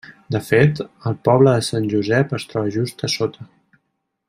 De fet, el poble de Sant Josep es troba just a sota.